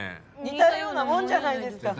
似たようなもんじゃないですか。